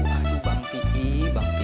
aduh bang pih bang pih